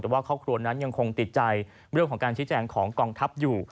แต่ว่าครอบครัวนั้นยังคงติดใจเรื่องของการชี้แจงของกองทัพอยู่